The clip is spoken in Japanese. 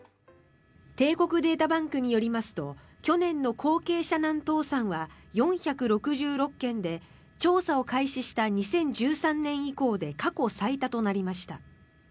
帝国データバンクによりますと去年の後継者難倒産は４６６件で調査を開始した２０１３年以降で過去最多となりました。